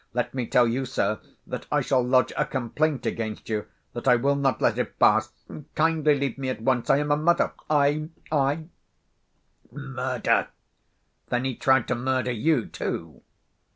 Let me tell you, sir, that I shall lodge a complaint against you, that I will not let it pass. Kindly leave me at once.... I am a mother.... I ... I—" "Murder! then he tried to murder you, too?"